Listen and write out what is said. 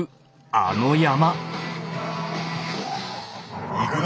あの山。